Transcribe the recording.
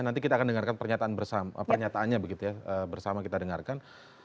nanti kita akan dengarkan pernyataannya begitu ya bersama kita dengarkan